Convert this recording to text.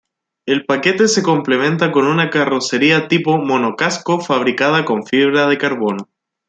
El paquete se complementa con una carrocería tipo monocasco, fabricada con fibra de carbono.